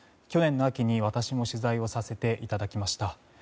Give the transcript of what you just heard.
去年の秋に私も取材をさせていただきました。